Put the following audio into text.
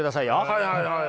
はいはいはい。